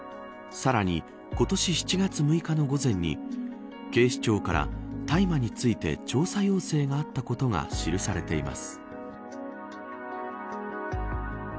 さらに、今年７月６日の午前に警視庁から大麻について調査要請があったことが記されています。